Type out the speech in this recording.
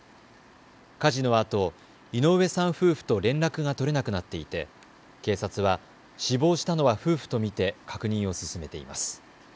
火事のあと井上さん夫婦と連絡が取れなくなっていて警察は死亡したのは夫婦と見て確認を進めています。